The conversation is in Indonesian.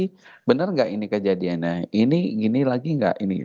jadi benar gak ini kejadiannya ini gini lagi gak ini